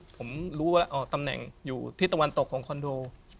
ผมรู้ว่าตำแหน่งอยู่ที่ตะวันตกของคอนโด